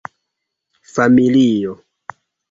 familio